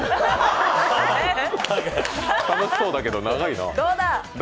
楽しそうだけど、長いな。